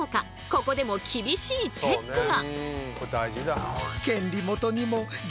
ここでも厳しいチェックが！